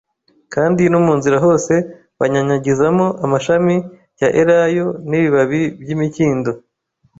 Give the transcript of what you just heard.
kandi no mu nzira hose banyanyagizamo amashami ya Elayo n'ibibabi by'imikindo